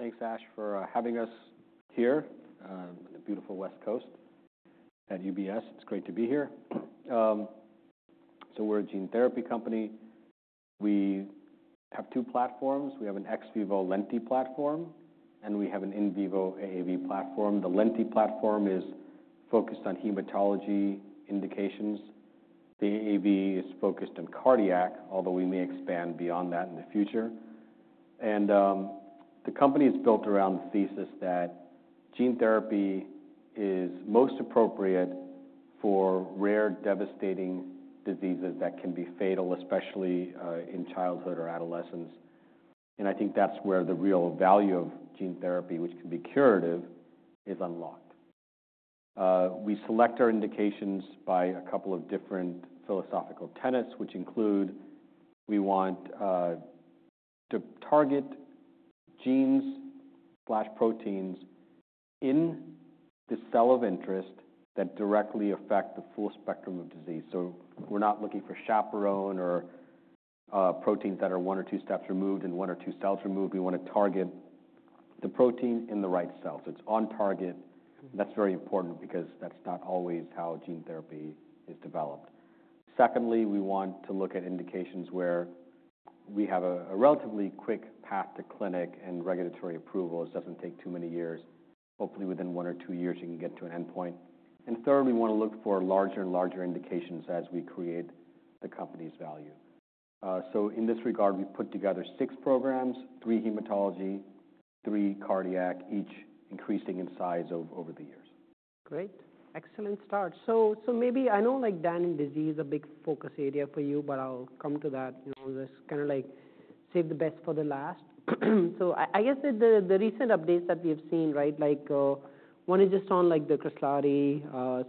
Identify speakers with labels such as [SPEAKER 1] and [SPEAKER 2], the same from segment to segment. [SPEAKER 1] Thanks, Ash, for having us here on the beautiful West Coast at UBS. It's great to be here, so we're a gene therapy company. We have two platforms. We have an Ex Vivo Lenti platform, and we have an In Vivo AAV platform. The Lenti platform is focused on hematology indications. The AAV is focused on cardiac, although we may expand beyond that in the future, and the company is built around the thesis that gene therapy is most appropriate for rare, devastating diseases that can be fatal, especially in childhood or adolescence, and I think that's where the real value of gene therapy, which can be curative, is unlocked. We select our indications by a couple of different philosophical tenets, which include we want to target genes/proteins in the cell of interest that directly affect the full spectrum of disease. So we're not looking for chaperone or proteins that are one or two steps removed and one or two cells removed. We want to target the protein in the right cell. So it's on target. And that's very important because that's not always how gene therapy is developed. Secondly, we want to look at indications where we have a relatively quick path to clinic and regulatory approval. It doesn't take too many years. Hopefully, within one or two years, you can get to an endpoint. And third, we want to look for larger and larger indications as we create the company's value. So in this regard, we've put together six programs: three hematology, three cardiac, each increasing in size over the years. Great. Excellent start. So maybe I know, like, Danon disease is a big focus area for you, but I'll come to that. You know, just kind of like save the best for the last. So I guess that the recent updates that we have seen, right, like, one is just on, like, the Kresladi.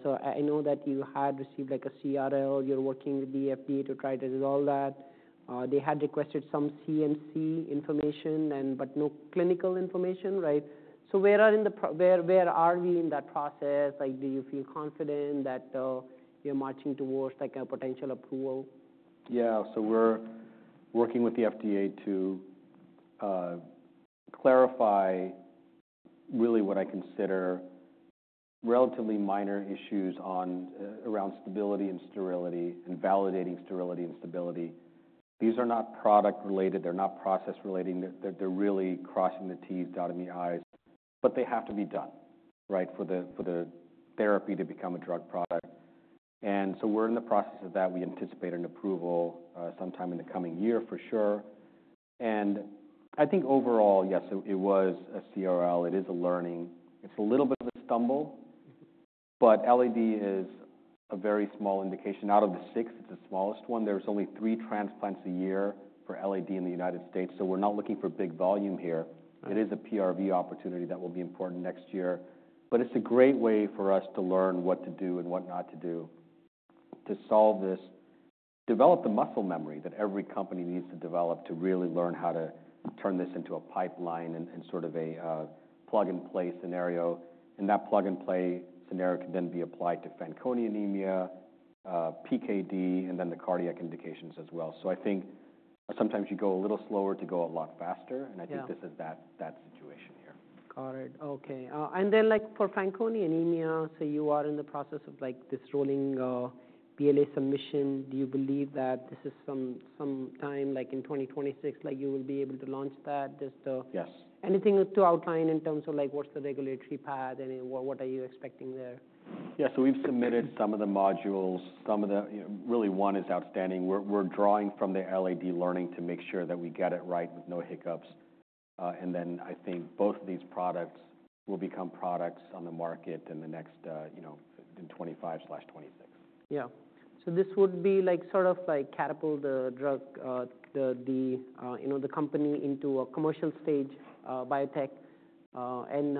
[SPEAKER 1] So I know that you had received, like, a CRL. You're working with the FDA to try to resolve that. They had requested some CMC information and but no clinical information, right? So where are we in that process? Like, do you feel confident that you're marching towards, like, a potential approval? Yeah. So we're working with the FDA to clarify really what I consider relatively minor issues on around stability and sterility and validating sterility and stability. These are not product-related. They're not process-related. They're really crossing the T, dotting the I's, but they have to be done, right, for the therapy to become a drug product. And so we're in the process of that. We anticipate an approval sometime in the coming year for sure. And I think overall, yes, it was a CRL. It is a learning. It's a little bit of a stumble, but LAD is a very small indication. Out of the six, it's the smallest one. There's only three transplants a year for LAD in the United States. So we're not looking for big volume here. It is a PRV opportunity that will be important next year. But it's a great way for us to learn what to do and what not to do to solve this, develop the muscle memory that every company needs to develop to really learn how to turn this into a pipeline and sort of a plug-and-play scenario. And that plug-and-play scenario can then be applied to Fanconi anemia, PKD, and then the cardiac indications as well. So I think sometimes you go a little slower to go a lot faster. And I think this is that situation here. Got it. Okay. And then, like, for Fanconi anemia, so you are in the process of, like, this rolling BLA submission. Do you believe that this is some time, like, in 2026, like, you will be able to launch that? Just, Yes. Anything to outline in terms of, like, what's the regulatory path and what, what are you expecting there? Yeah. So we've submitted some of the modules. Some of the, you know, really one is outstanding. We're drawing from the LAD learning to make sure that we get it right with no hiccups, and then I think both of these products will become products on the market in the next, you know, in 2025/2026. Yeah. So this would be, like, sort of like catapult the drug, the, you know, the company into a commercial stage, biotech. And,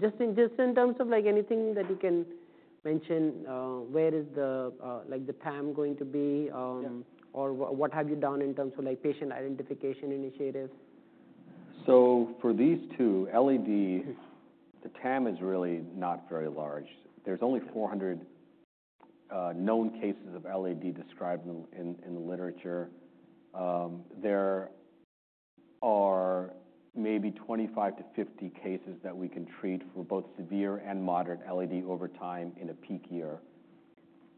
[SPEAKER 1] just in terms of, like, anything that you can mention, where is the, like, the TAM going to be? Yeah. Or what have you done in terms of, like, patient identification initiatives? So for these two, LAD, the TAM is really not very large. There's only 400 known cases of LAD described in the literature. There are maybe 25 to 50 cases that we can treat for both severe and moderate LAD over time in a peak year.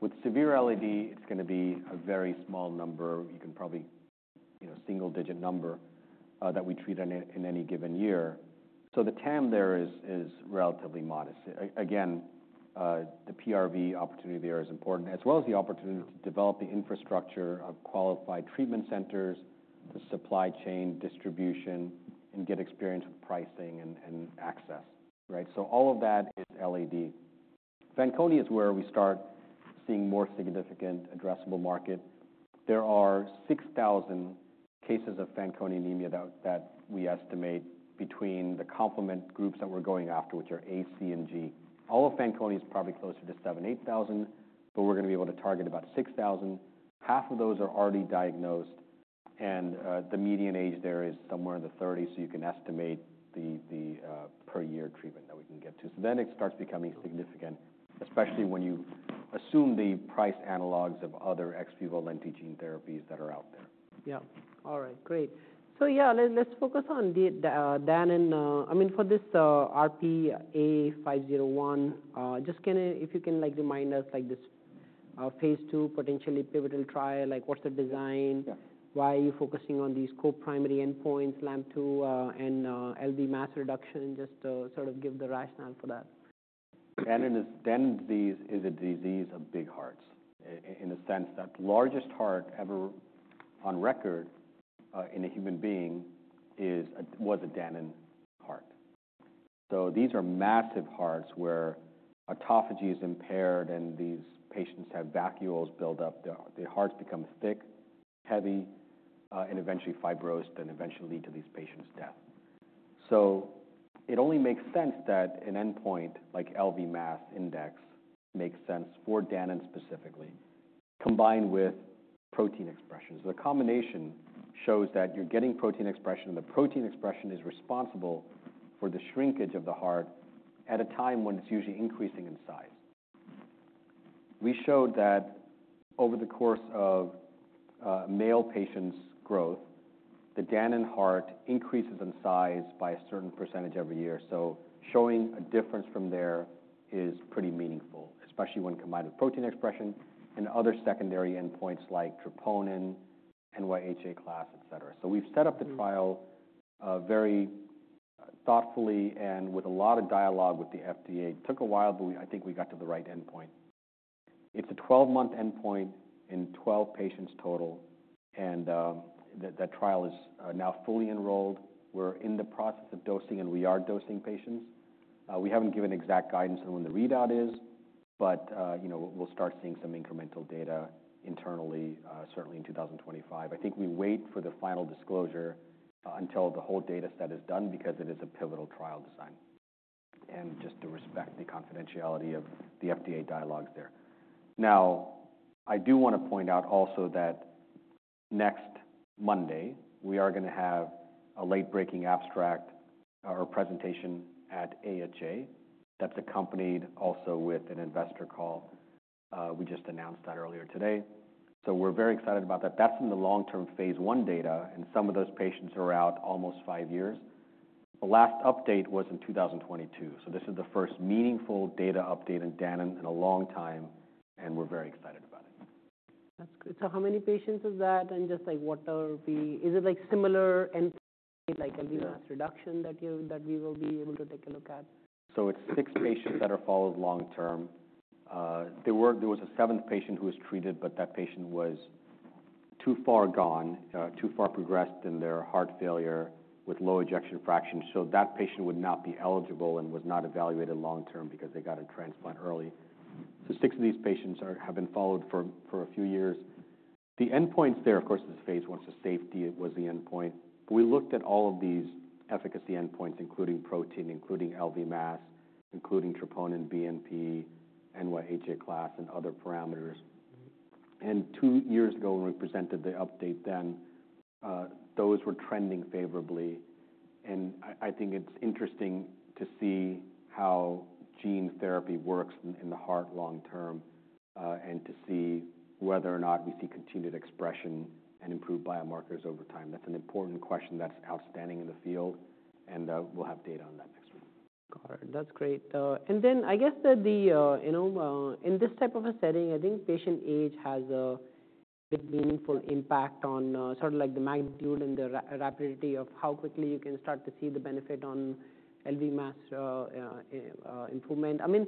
[SPEAKER 1] With severe LAD, it's gonna be a very small number. You can probably, you know, single-digit number, that we treat in any given year. So the TAM there is relatively modest. Again, the PRV opportunity there is important, as well as the opportunity to develop the infrastructure of qualified treatment centers, the supply chain distribution, and get experience with pricing and access, right? So all of that is LAD. Fanconi is where we start seeing more significant addressable market. There are 6,000 cases of Fanconi anemia that we estimate between the complement groups that we're going after, which are A, C, and G. All of Fanconi is probably closer to 7,000, 8,000, but we're gonna be able to target about 6,000. Half of those are already diagnosed. And the median age there is somewhere in the 30. So you can estimate the per year treatment that we can get to. So then it starts becoming significant, especially when you assume the price analogs of other Ex Vivo Lenti gene therapies that are out there. Yeah. All right. Great. So yeah, let's focus on the Danon, I mean, for this RP-A501, just can you if you can like remind us like this phase 2 potentially pivotal trial like what's the design? Yeah. Why are you focusing on these co-primary endpoints, LAMP2, and LV mass reduction? Just, sort of give the rationale for that. Danon disease is a disease of big hearts in the sense that the largest heart ever on record in a human being was a Danon heart. So these are massive hearts where autophagy is impaired, and these patients have vacuoles build up. The hearts become thick, heavy, and eventually fibrosed, and eventually lead to these patients' death. So it only makes sense that an endpoint like LV mass index makes sense for Danon specifically, combined with protein expression. So the combination shows that you're getting protein expression, and the protein expression is responsible for the shrinkage of the heart at a time when it's usually increasing in size. We showed that over the course of male patients' growth, the Danon heart increases in size by a certain percentage every year. Showing a difference from there is pretty meaningful, especially when combined with protein expression and other secondary endpoints like troponin, NYHA class, etc. We've set up the trial, very thoughtfully and with a lot of dialogue with the FDA. It took a while, but I think we got to the right endpoint. It's a 12-month endpoint in 12 patients total. That trial is now fully enrolled. We're in the process of dosing, and we are dosing patients. We haven't given exact guidance on when the readout is, but, you know, we'll start seeing some incremental data internally, certainly in 2025. I think we wait for the final disclosure, until the whole data set is done because it is a pivotal trial design and just to respect the confidentiality of the FDA dialogues there. Now, I do want to point out also that next Monday, we are gonna have a late-breaking abstract, or presentation at AHA that's accompanied also with an investor call. We just announced that earlier today. So we're very excited about that. That's in the long-term phase 1 data, and some of those patients are out almost five years. The last update was in 2022. So this is the first meaningful data update in Danon in a long time, and we're very excited about it. That's good. So how many patients is that? And just like, what is it, like, similar endpoint, like, LV mass reduction that we will be able to take a look at? It's six patients that are followed long-term. There was a seventh patient who was treated, but that patient was too far gone, too far progressed in their heart failure with low ejection fraction. That patient would not be eligible and was not evaluated long-term because they got a transplant early. Six of these patients have been followed for a few years. The endpoints there, of course, is phase 1. Safety was the endpoint. But we looked at all of these efficacy endpoints, including protein, including LV mass, including troponin, BNP, NYHA class, and other parameters. Two years ago, when we presented the update then, those were trending favorably. I think it's interesting to see how gene therapy works in the heart long-term, and to see whether or not we see continued expression and improved biomarkers over time. That's an important question that's outstanding in the field, and we'll have data on that next week. Got it. That's great, and then I guess that the, you know, in this type of a setting, I think patient age has a big meaningful impact on, sort of like the magnitude and the rapidity of how quickly you can start to see the benefit on LV mass, improvement. I mean,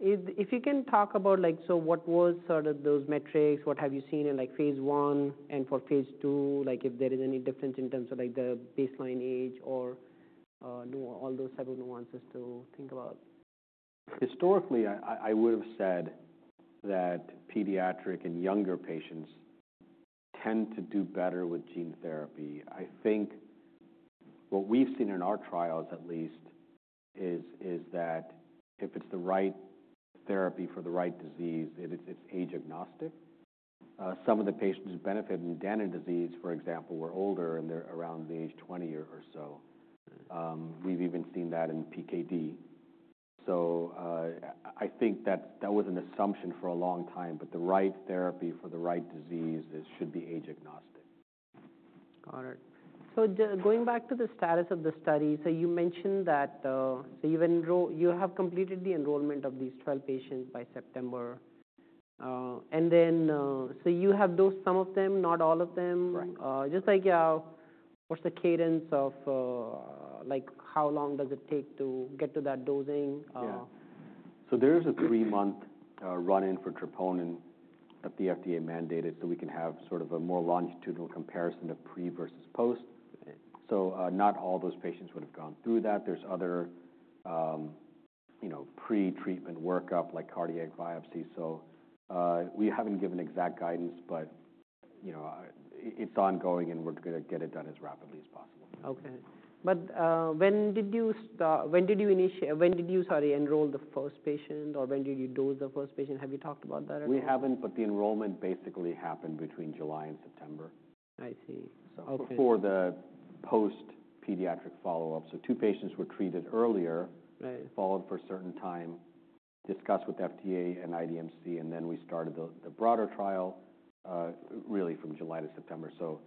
[SPEAKER 1] if you can talk about, like, so what was sort of those metrics? What have you seen in, like, phase 1 and for phase 2? Like, if there is any difference in terms of, like, the baseline age or, all those type of nuances to think about. Historically, I would have said that pediatric and younger patients tend to do better with gene therapy. I think what we've seen in our trials, at least, is that if it's the right therapy for the right disease, it's age-agnostic. Some of the patients who benefit in Danon disease, for example, were older, and they're around the age 20 or so. We've even seen that in PKD, so I think that that was an assumption for a long time, but the right therapy for the right disease should be age-agnostic. Got it. So going back to the status of the study, so you mentioned that, so you've completed the enrollment of these 12 patients by September, and then, so you have dosed some of them, not all of them. Right. Just like, what's the cadence of, like, how long does it take to get to that dosing? Yeah. So there's a three-month run-in for troponin that the FDA mandated so we can have sort of a more longitudinal comparison of pre versus post. So, not all those patients would have gone through that. There's other, you know, pre-treatment workup, like cardiac biopsy. So, we haven't given exact guidance, but, you know, it's ongoing, and we're gonna get it done as rapidly as possible. Okay, but when did you start? When did you initiate? When did you, sorry, enroll the first patient, or when did you dose the first patient? Have you talked about that at all? We haven't, but the enrollment basically happened between July and September. I see. Okay. Before the post-pediatric follow-up. Two patients were treated earlier. Right. Followed for a certain time, discussed with FDA and IDMC, and then we started the broader trial, really from July to September. So,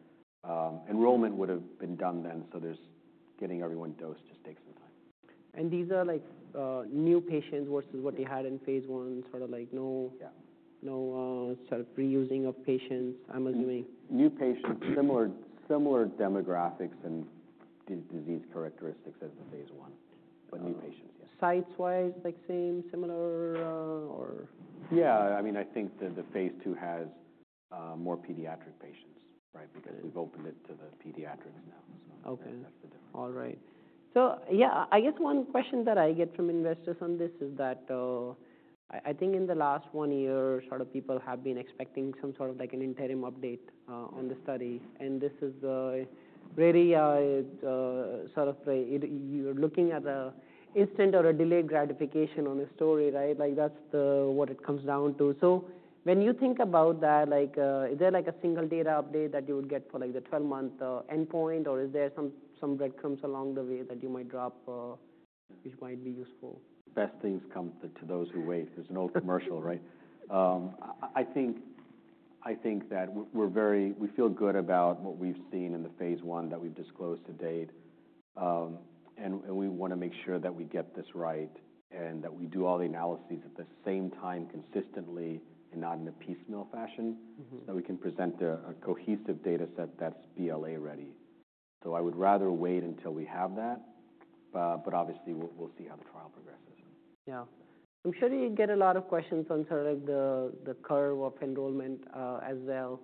[SPEAKER 1] enrollment would have been done then. So, there's getting everyone dosed just takes some time. These are, like, new patients versus what you had in phase 1, sort of like no. Yeah. No, sort of reusing of patients, I'm assuming New patients, similar demographics and disease characteristics as the phase 1, but new patients, yes. Sites-wise, like, same, similar, or? Yeah. I mean, I think the phase 2 has more pediatric patients, right, because we've opened it to the pediatrics now. So. Okay. That's the difference. All right. So yeah, I guess one question that I get from investors on this is that I think in the last one year, sort of people have been expecting some sort of, like, an interim update on the study. And this is really, sort of, like, you're looking at an instant or a delayed gratification on a story, right? Like, that's what it comes down to. So when you think about that, like, is there like a single data update that you would get for like the 12-month endpoint, or is there some breadcrumbs along the way that you might drop, which might be useful? Best things come to those who wait. There's an old commercial, right? I think that we feel good about what we've seen in the phase 1 that we've disclosed to date, and we wanna make sure that we get this right and that we do all the analyses at the same time consistently and not in a piecemeal fashion. So that we can present a cohesive data set that's BLA ready. So I would rather wait until we have that, but obviously, we'll see how the trial progresses. Yeah. I'm sure you get a lot of questions on sort of, like, the curve of enrollment, as well,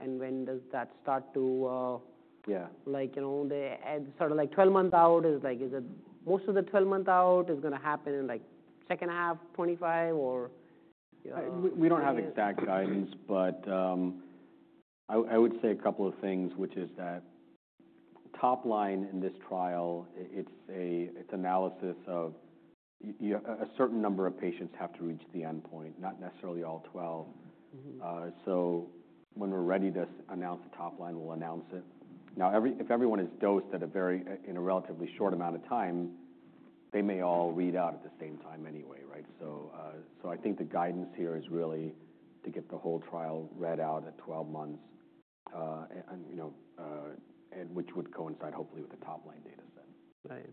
[SPEAKER 1] and when does that start to, Yeah. Like, you know, the sort of, like, 12 months out is, like, is it most of the 12-month out is gonna happen in, like, second half 2025, or? We don't have exact guidance, but I would say a couple of things, which is that top line in this trial, it's an analysis of a certain number of patients have to reach the endpoint, not necessarily all 12. So when we're ready to announce the top line, we'll announce it. Now, even if everyone is dosed in a relatively short amount of time, they may all read out at the same time anyway, right? So I think the guidance here is really to get the whole trial read out at 12 months, and, you know, which would coincide hopefully with the top line data set. Right.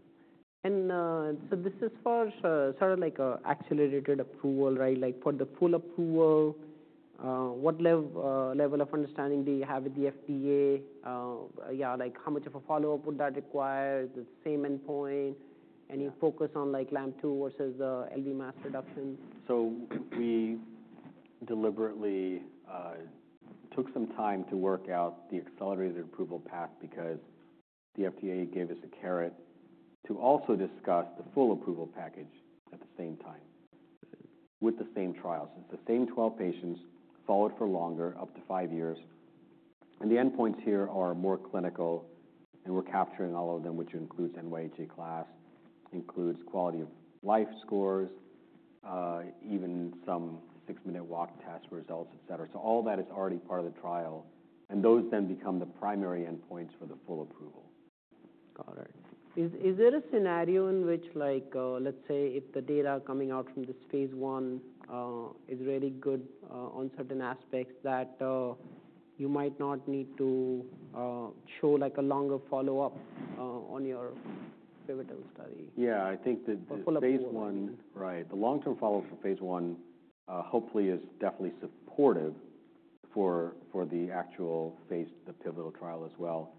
[SPEAKER 1] And so this is for, sort of, like, accelerated approval, right? Like, for the full approval, what level of understanding do you have with the FDA? Yeah, like, how much of a follow-up would that require? Is it the same endpoint? Any focus on, like, LAMP2 versus the LV mass reduction? So we deliberately took some time to work out the accelerated approval path because the FDA gave us a carrot to also discuss the full approval package at the same time with the same trials. It's the same 12 patients followed for longer, up to five years. And the endpoints here are more clinical, and we're capturing all of them, which includes NYHA class, includes quality of life scores, even some six-minute walk test results, etc. So all that is already part of the trial. And those then become the primary endpoints for the full approval. Got it. Is there a scenario in which, like, let's say if the data coming out from this phase 1 is really good on certain aspects that you might not need to show like a longer follow-up on your pivotal study? Yeah. I think the phase 1. Full approval. Right. The long-term follow-up for phase 1 hopefully is definitely supportive for the actual phase 3 pivotal trial as well.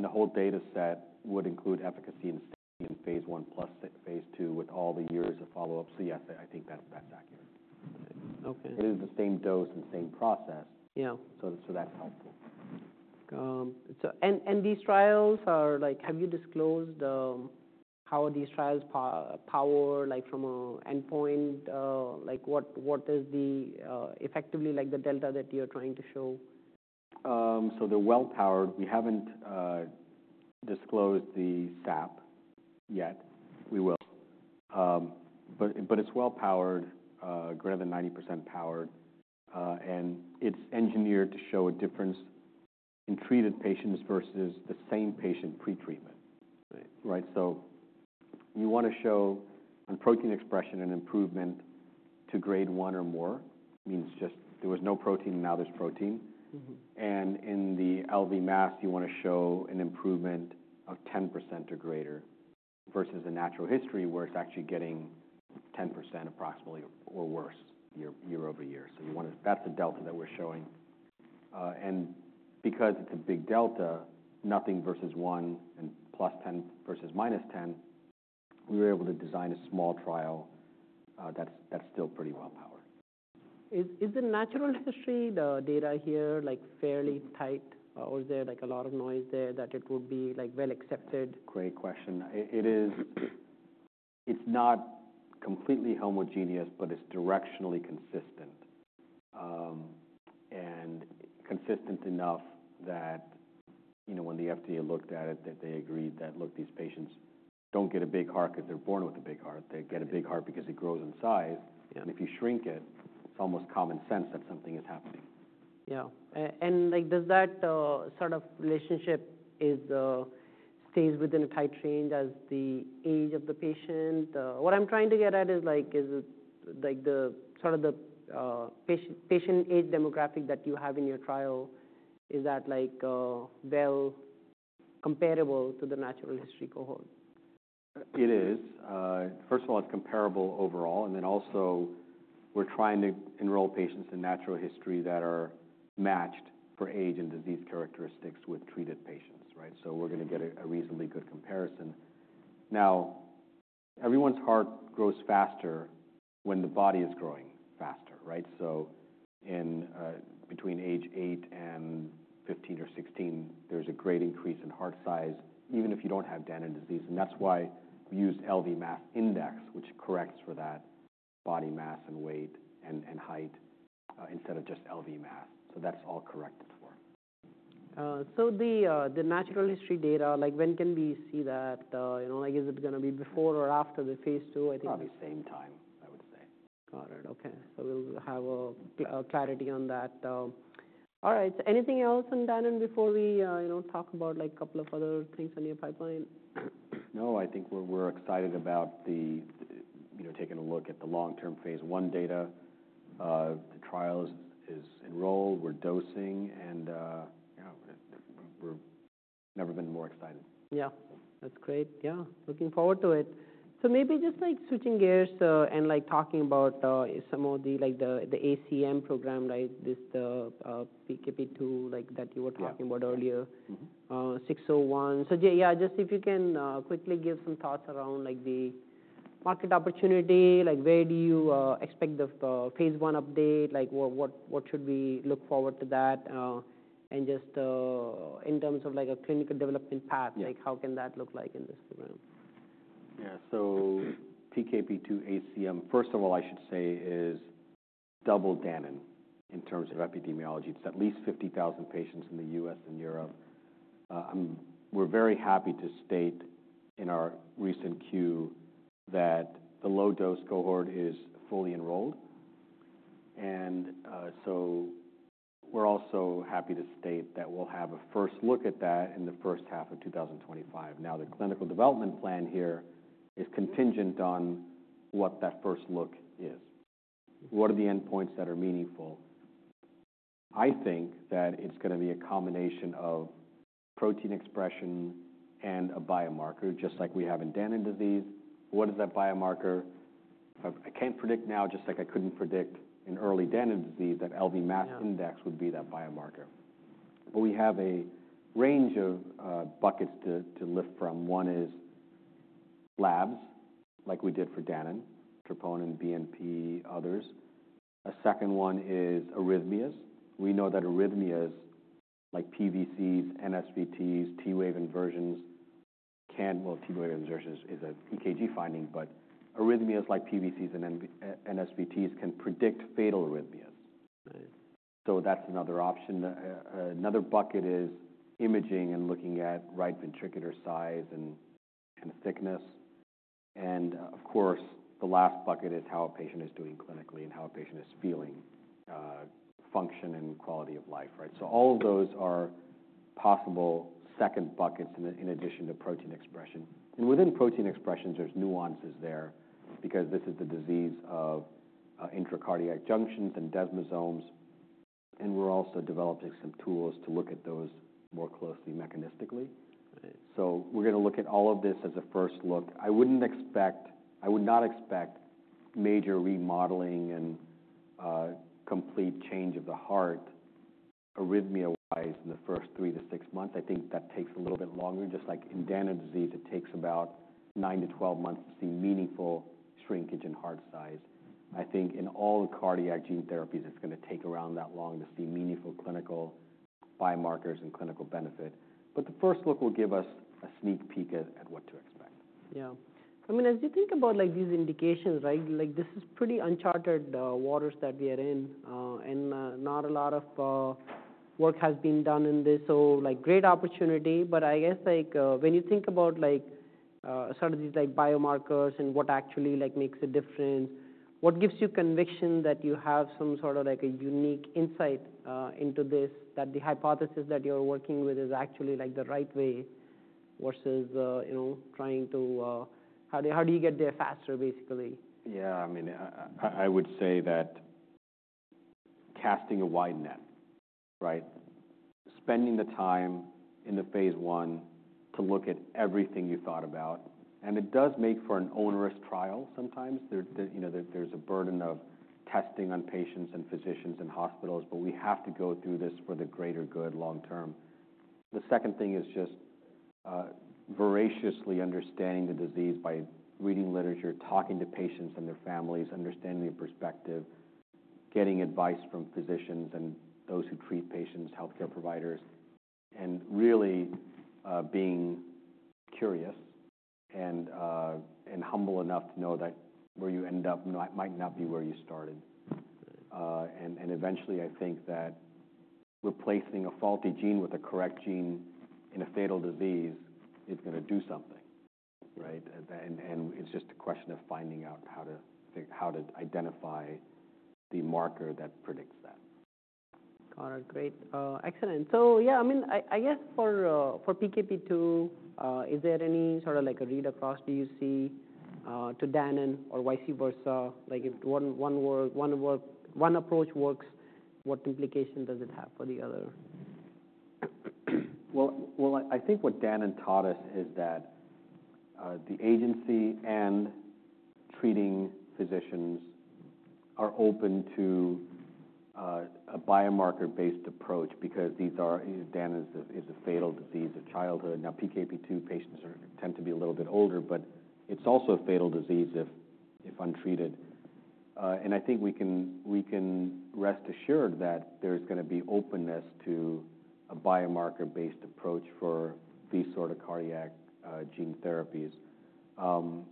[SPEAKER 1] The whole data set would include efficacy and safety in phase 1 plus phase 2 with all the years of follow-up. So yes, I think that that's accurate. Okay. It is the same dose and same process. Yeah. So, that's helpful. These trials are, like, have you disclosed how these trials are powered, like, from an endpoint? Like, what is effectively the delta that you're trying to show? So they're well-powered. We haven't disclosed the SAP yet. We will. But it's well-powered, greater than 90% powered. And it's engineered to show a difference in treated patients versus the same patient pre-treatment. Right. Right? So you wanna show on protein expression an improvement to grade one or more. It means just there was no protein, and now there's protein. And in the LV mass, you wanna show an improvement of 10% or greater versus the natural history where it's actually getting 10% approximately or worse year over year. So you wanna that's the delta that we're showing. And because it's a big delta, nothing versus one and plus 10 versus minus 10, we were able to design a small trial, that's still pretty well-powered. Is the natural history, the data here, like, fairly tight, or is there, like, a lot of noise there that it would be, like, well-accepted? Great question. It is, it's not completely homogeneous, but it's directionally consistent, and consistent enough that, you know, when the FDA looked at it, that they agreed that, look, these patients don't get a big heart 'cause they're born with a big heart. They get a big heart because it grows in size. And if you shrink it, it's almost common sense that something is happening. Yeah. And, like, does that sort of relationship stay within a tight range as the age of the patient? What I'm trying to get at is, like, is the patient age demographic that you have in your trial like well-comparable to the natural history cohort? It is. First of all, it's comparable overall. And then also, we're trying to enroll patients in natural history that are matched for age and disease characteristics with treated patients, right? So we're gonna get a reasonably good comparison. Now, everyone's heart grows faster when the body is growing faster, right? So between age eight and 15 or 16, there's a great increase in heart size, even if you don't have Danon disease. And that's why we used LV mass index, which corrects for that body mass and weight and height, instead of just LV mass. So that's all corrected for. So the natural history data, like, when can we see that, you know, like, is it gonna be before or after the phase 2? I think. Probably same time, I would say. Got it. Okay. So we'll have a clarity on that. All right. So anything else on Danon before we, you know, talk about, like, a couple of other things on your pipeline? No. I think we're excited about the, you know, taking a look at the long-term phase 1 data. The trial is enrolled. We're dosing. And, yeah, we've never been more excited. Yeah. That's great. Yeah. Looking forward to it. So maybe just, like, switching gears, and, like, talking about some of the, like, the ACM program, right? This, the PKP2, like, that you were talking about earlier. Yeah. Mm-hmm. 601. Yeah, just if you can quickly give some thoughts around like the market opportunity, like where do you expect the phase 1 update? Like what should we look forward to that? And just in terms of like a clinical development path. Like, how can that look like in this program? Yeah. So PKP2 ACM, first of all, I should say, is double Danon in terms of epidemiology. It's at least 50,000 patients in the U.S. and Europe. We're very happy to state in our recent Q that the low-dose cohort is fully enrolled. And, so we're also happy to state that we'll have a first look at that in the first half of 2025. Now, the clinical development plan here is contingent on what that first look is. What are the endpoints that are meaningful? I think that it's gonna be a combination of protein expression and a biomarker, just like we have in Danon disease. What is that biomarker? I can't predict now, just like I couldn't predict in early Danon disease, that LV mass index would be that biomarker. But we have a range of buckets to lift from. One is labs, like we did for Danon, Troponin, BNP, others. A second one is Arrhythmias. We know that Arrhythmias, like PVCs, NSVTs, T-wave inversions can, well, T-wave inversions is an EKG finding, but Arrhythmias like PVCs and NSVTs can predict fatal arrhythmias. That's another option. Another bucket is imaging and looking at right ventricular size and thickness. Of course, the last bucket is how a patient is doing clinically and how a patient is feeling, function and quality of life, right? All of those are possible second buckets in addition to protein expression. Within protein expressions, there's nuances there because this is the disease of intracardiac junctions and desmosomes. We're also developing some tools to look at those more closely mechanistically. So we're gonna look at all of this as a first look. I wouldn't expect major remodeling and complete change of the heart arrhythmia-wise in the first three to six months. I think that takes a little bit longer. Just like in Danon disease, it takes about nine to 12 months to see meaningful shrinkage in heart size. I think in all the cardiac gene therapies, it's gonna take around that long to see meaningful clinical biomarkers and clinical benefit. But the first look will give us a sneak peek at what to expect. Yeah. I mean, as you think about, like, these indications, right, like, this is pretty uncharted waters that we are in. And, not a lot of work has been done in this. So, like, great opportunity. But I guess, like, when you think about, like, sort of these, like, biomarkers and what actually, like, makes a difference, what gives you conviction that you have some sort of, like, a unique insight into this, that the hypothesis that you're working with is actually, like, the right way versus, you know, trying to, how do you get there faster, basically? Yeah. I mean, I would say that casting a wide net, right, spending the time in the phase 1 to look at everything you thought about, and it does make for an onerous trial sometimes. You know, there's a burden of testing on patients and physicians and hospitals, but we have to go through this for the greater good long-term. The second thing is just voraciously understanding the disease by reading literature, talking to patients and their families, understanding their perspective, getting advice from physicians and those who treat patients, healthcare providers, and really being curious and humble enough to know that where you end up might not be where you started. And eventually, I think that replacing a faulty gene with a correct gene in a fatal disease is gonna do something, right? And it's just a question of finding out how to identify the marker that predicts that. Got it. Great. Excellent. So yeah, I mean, I guess for PKP2, is there any sort of, like, a read across you see to Danon or vice versa? Like, if one approach works, what implication does it have for the other? I think what Danon taught us is that the agency and treating physicians are open to a biomarker-based approach because these are Danon's is a fatal disease of childhood. Now, PKP2 patients are tend to be a little bit older, but it's also a fatal disease if untreated, and I think we can rest assured that there's gonna be openness to a biomarker-based approach for these sort of cardiac gene therapies, and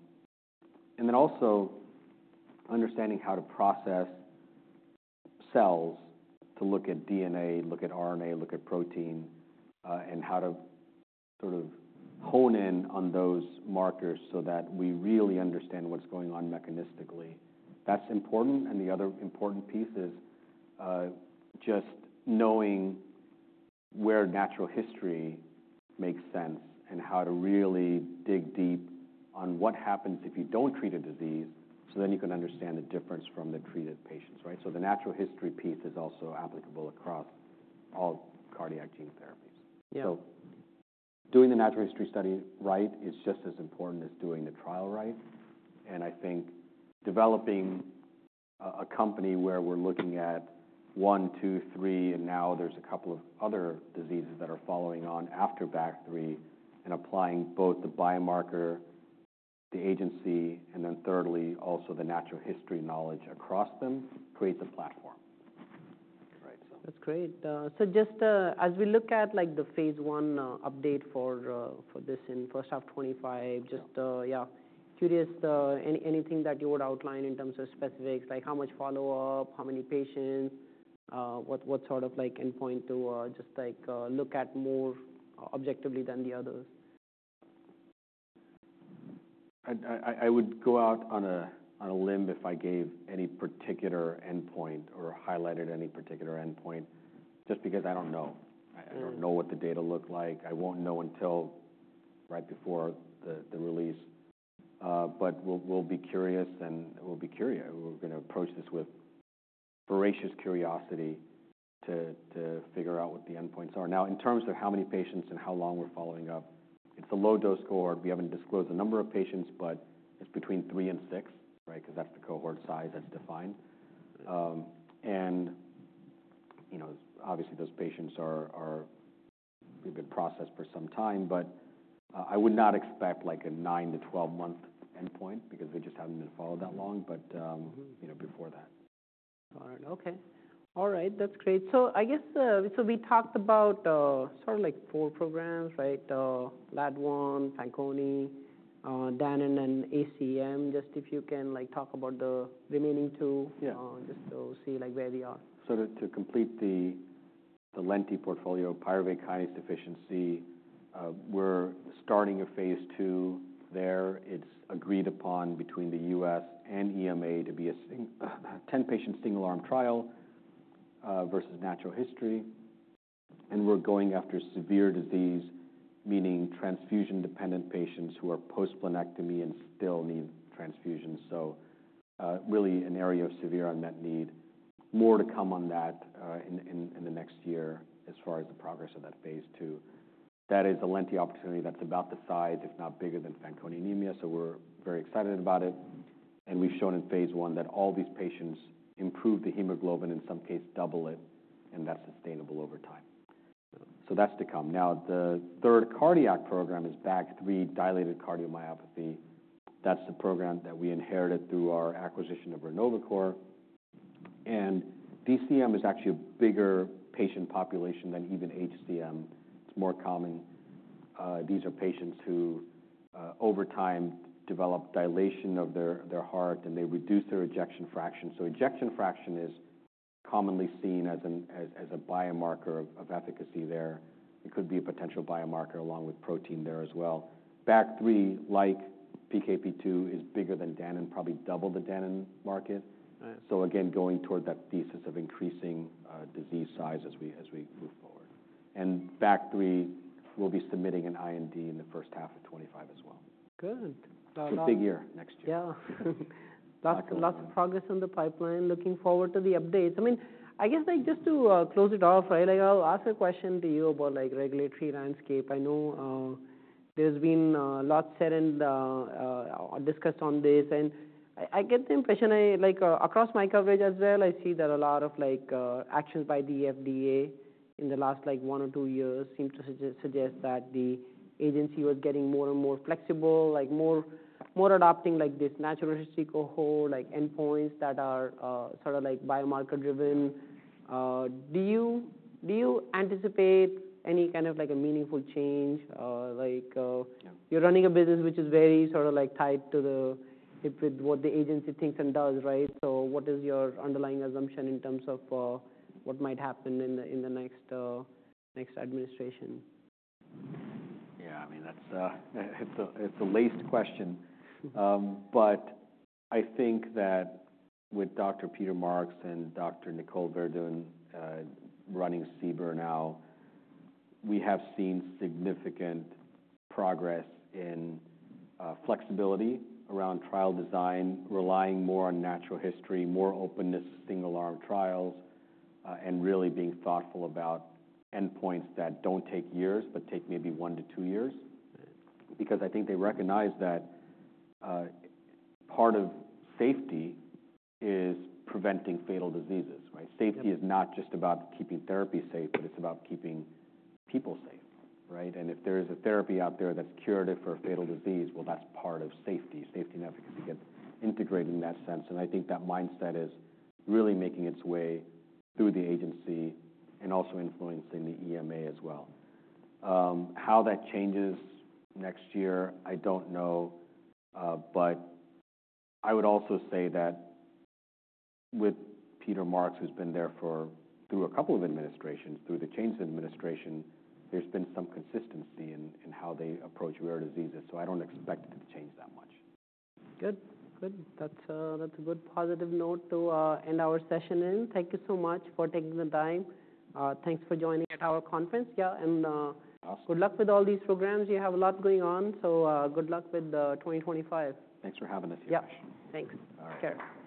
[SPEAKER 1] then also understanding how to process cells to look at DNA, look at RNA, look at protein, and how to sort of hone in on those markers so that we really understand what's going on mechanistically. That's important. The other important piece is, just knowing where natural history makes sense and how to really dig deep on what happens if you don't treat a disease so then you can understand the difference from the treated patients, right? The natural history piece is also applicable across all cardiac gene therapies. So doing the natural history study right is just as important as doing the trial right. And I think developing a company where we're looking at one, two, three, and now there's a couple of other diseases that are following on after VAC-3 and applying both the biomarker, the agency, and then thirdly, also the natural history knowledge across them creates a platform, right? So. That's great. So just, as we look at, like, the phase 1 update for, for this in first half 2025, just, yeah, curious, anything that you would outline in terms of specifics, like how much follow-up, how many patients, what, what sort of, like, endpoint to, just, like, look at more objectively than the others? I would go out on a limb if I gave any particular endpoint or highlighted any particular endpoint just because I don't know. I don't know what the data look like. I won't know until right before the release, but we'll be curious and we're gonna approach this with voracious curiosity to figure out what the endpoints are. Now, in terms of how many patients and how long we're following up, it's a low-dose cohort. We haven't disclosed the number of patients, but it's between three and six, right, 'cause that's the cohort size that's defined. You know, obviously, those patients, we've been processed for some time, but I would not expect, like, a nine- to 12-month endpoint because they just haven't been followed that long. But you know, before that. Got it. Okay. All right. That's great. So I guess, so we talked about, sort of, like, four programs, right? LAD1, Fanconi, Danon, and ACM. Just if you can, like, talk about the remaining two. Yeah. Just to see, like, where they are. To complete the Lenti portfolio, pyruvate kinase deficiency, we're starting a phase 2 there. It's agreed upon between the U.S. and EMA to be a single 10-patient single-arm trial, versus natural history. We're going after severe disease, meaning transfusion-dependent patients who are post-splenectomy and still need transfusion. Really an area of severe unmet need. More to come on that in the next year as far as the progress of that phase 2. That is a Lenti opportunity that's about the size, if not bigger, than Fanconi anemia. We're very excited about it. We've shown in phase 1 that all these patients improve the hemoglobin and, in some cases, double it, and that's sustainable over time. That's to come. The third cardiac program is VAC-3 dilated cardiomyopathy. That's the program that we inherited through our acquisition of Renovacor. DCM is actually a bigger patient population than even HCM. It's more common. These are patients who, over time, develop dilation of their heart, and they reduce their ejection fraction. Ejection fraction is commonly seen as a biomarker of efficacy there. It could be a potential biomarker along with protein there as well. VAC-3, like PKP2, is bigger than Danon, probably double the Danon market. Again, going toward that thesis of increasing disease size as we move forward. VAC-3, we'll be submitting an IND in the first half of 2025 as well. Good. It's a big year next year. Yeah. That's lots of progress on the pipeline. Looking forward to the updates. I mean, I guess, like, just to close it off, right, like, I'll ask a question to you about, like, regulatory landscape. I know, there's been lots said and discussed on this. And I get the impression, like, across my coverage as well, I see that a lot of, like, actions by the FDA in the last, like, one or two years seem to suggest that the agency was getting more and more flexible, like, more adopting, like, this natural history cohort, like, endpoints that are, sort of, like, biomarker-driven. Do you anticipate any kind of, like, a meaningful change? Like, You're running a business which is very sort of, like, tied to what the agency thinks and does, right? So what is your underlying assumption in terms of, what might happen in the next administration? Yeah. I mean, that's a late question. But I think that with Dr. Peter Marks and Dr. Nicole Verdun running CBER now, we have seen significant progress in flexibility around trial design, relying more on natural history, more openness to single-arm trials, and really being thoughtful about endpoints that don't take years but take maybe one to two years because I think they recognize that part of safety is preventing fatal diseases, right? Safety is not just about keeping therapy safe, but it's about keeping people safe, right? And if there is a therapy out there that's curative for a fatal disease, well, that's part of safety. Safety and efficacy get integrated in that sense. And I think that mindset is really making its way through the agency and also influencing the EMA as well. How that changes next year, I don't know. But I would also say that with Peter Marks, who's been there for, through a couple of administrations, through the changed administration, there's been some consistency in how they approach rare diseases. So I don't expect it to change that much. Good. Good. That's, that's a good positive note to end our session in. Thank you so much for taking the time. Thanks for joining at our conference. Yeah. And, Awesome. Good luck with all these programs. You have a lot going on. So, good luck with 2025. Thanks for having us here. Yeah. Thanks. All right. Take care.